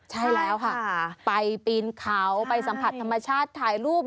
ใช่แล้วค่ะไปปีนเขาไปสัมผัสธรรมชาติถ่ายรูป